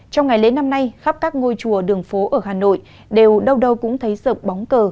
trong ngày lễ năm nay khắp các ngôi chùa đường phố ở hà nội đều đâu đâu cũng thấy sợ bóng cờ